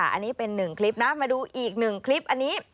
อันนี้เป็น๑คลิปนะมาดูอีก๑คลิปอันนี้